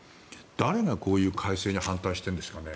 誰がこういう改正に反対してるんですかね？